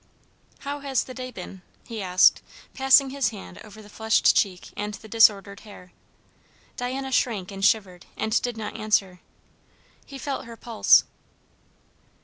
"How has the day been?" he asked, passing his hand over the flushed cheek and the disordered hair. Diana shrank and shivered and did not answer. He felt her pulse.